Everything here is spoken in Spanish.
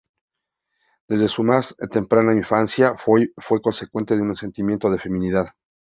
Desde su más temprana infancia Foy fue consciente de un sentimiento de ‘feminidad'.